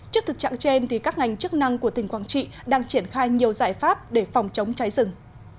trước thực trạng trên các ngành chức năng của tỉnh quảng trị đang triển khai nhiều giải pháp để phòng chống cháy rừng